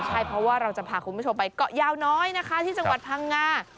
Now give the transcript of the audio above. ใช่เพราะว่าเราจะพาคุณผู้ชมไปเกาะยาวน้อยนะคะที่จังหวัดพังงา